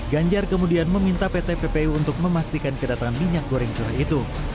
ganjar kemudian meminta pt ppu untuk memastikan kedatangan minyak goreng curah itu